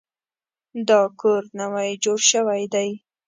دا کور نوی جوړ شوی دی